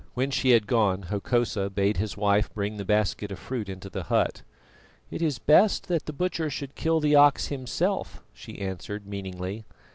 When she had gone Hokosa bade his wife bring the basket of fruit into the hut. "It is best that the butcher should kill the ox himself," she answered meaningly.